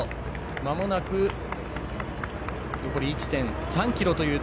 まもなく残り１．３ｋｍ。